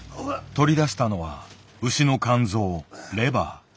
取り出したのは牛の肝臓レバー。